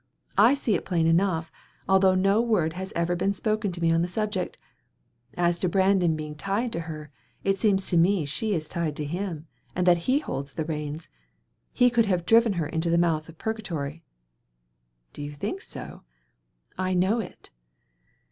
I see it plainly enough, although no word has ever been spoken to me on the subject. As to Brandon being tied to her, it seems to me she is tied to him, and that he holds the reins. He could drive her into the mouth of purgatory." "Do you think so?" "I know it."